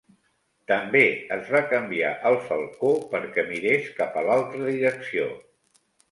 També es va canviar el falcó perquè mirés cap a l'altra direcció.